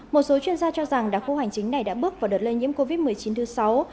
một số chuyên gia cho rằng đặc khu hành chính này đã bước vào đợt lây nhiễm covid một mươi chín thứ sáu